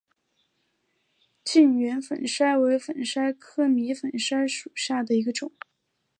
近圆粉虱为粉虱科迷粉虱属下的一个种。